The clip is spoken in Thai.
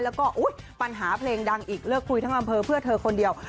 แล้วก็อุ๊ยปัญหาเพลงดังอีกเลิกคุยทั้งอำเภอเพื่อเธอคนเดียว